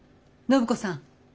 暢子さん。